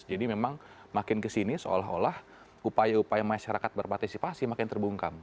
jadi memang makin kesini seolah olah upaya upaya masyarakat berpartisipasi makin terbungkam